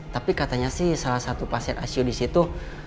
tapi katanya sih salah satu pasien icu di situ